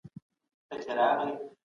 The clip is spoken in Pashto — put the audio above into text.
خبره چي ووتله نه راګرځي.